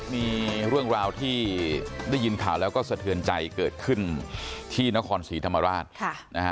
มีเรื่องราวที่ได้ยินข่าวแล้วก็สะเทือนใจเกิดขึ้นที่นครศรีธรรมราช